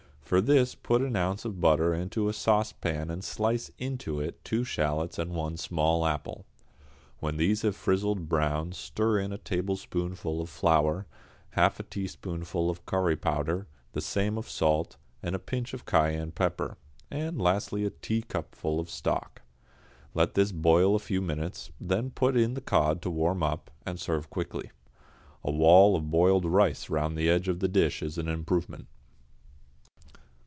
For this put an ounce of butter into a saucepan and slice into it two shallots and one small apple. When these have frizzled brown stir in a tablespoonful of flour, half a teaspoonful of curry powder, the same of salt, and a pinch of cayenne pepper, and lastly a teacupful of stock. Let this boil a few minutes, then put in the cod to warm up, and serve quickly. A wall of boiled rice round the edge of the dish is an improvement.